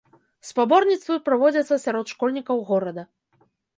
Спаборніцтвы праводзяцца сярод школьнікаў горада.